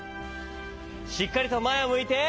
しっかりとまえをむいて！